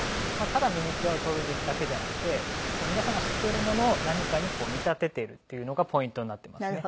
ただミニチュアを撮るだけじゃなくて皆さんが知っているものを何かに見立てているっていうのがポイントになっていますね。